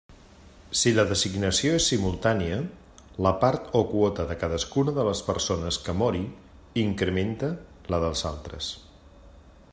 Si la designació és simultània, la part o quota de cadascuna de les persones que mori incrementa la de les altres.